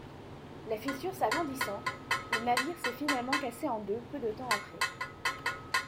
La fissure s'agrandissant, le navire s'est finalement cassé en deux peu de temps après.